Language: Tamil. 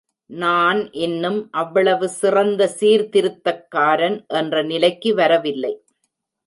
நான் இன்னும் அவ்வளவு சிறந்த சீர்திருத்தக்காரன் என்ற நிலைக்கு வரவில்லை.